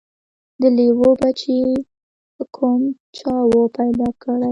د لېوه بچی کوم چا وو پیدا کړی